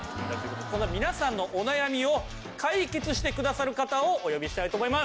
そんな皆さんのお悩みを解決してくださる方をお呼びしたいと思います。